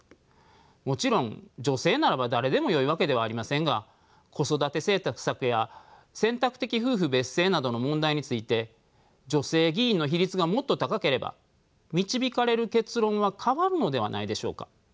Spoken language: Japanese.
もちろん女性ならば誰でもよいわけではありませんが子育て政策や選択的夫婦別姓などの問題について女性議員の比率がもっと高ければ導かれる結論は変わるのではないでしょうか。